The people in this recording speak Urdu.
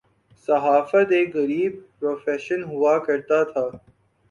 صحافت ایک غریب پروفیشن ہوا کرتاتھا۔